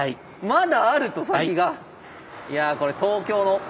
まだあると先が。